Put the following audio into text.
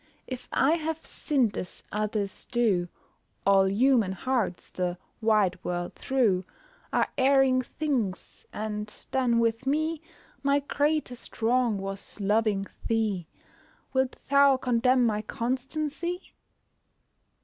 If I have sinned as others do, All human hearts the wide world through Are erring things, and then with me My greatest wrong was loving thee, Wilt thou condemn my constancy?